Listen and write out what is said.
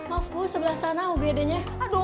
maaf bu sebelah sana ugd nya